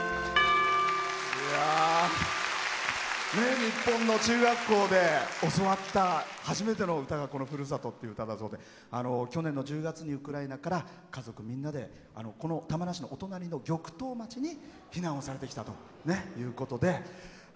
日本の中学校で教わった初めての歌が「ふるさと」という歌だそうで去年の１０月にウクライナから家族みんなで、玉名市のお隣の玉東町に避難をされてきたということで。